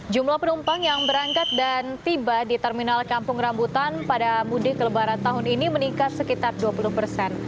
jumlah penumpang yang berangkat dan tiba di terminal kampung rambutan pada mudik lebaran tahun ini meningkat sekitar dua puluh persen